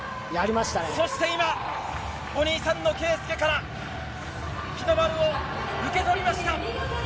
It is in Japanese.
そして今、お兄さんの圭祐から日の丸を受け取りました。